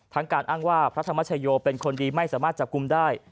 การอ้างว่าพระธรรมชโยเป็นคนดีไม่สามารถจับกลุ่มได้